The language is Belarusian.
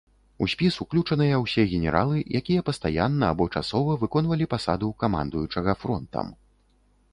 У спіс уключаныя ўсе генералы, якія пастаянна або часова выконвалі пасаду камандуючага фронтам.